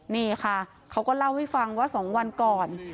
นี่ค่ะเขาก็เล่าให้ฟังว่า๒วันก่อน